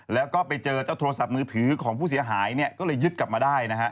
แล้วก็ไปเจอโทรศัพท์มือถือของผู้เสียหายก็เลยยึดกลับมาได้